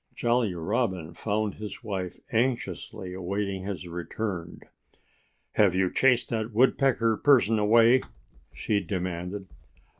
Jolly Robin found his wife anxiously awaiting his return. "Have you chased that Woodpecker person away?" she demanded.